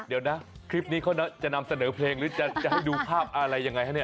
เดี๋ยวนะคลิปนี้เขาจะนำเสนอเพลงหรือจะให้ดูภาพอะไรยังไงฮะเนี่ย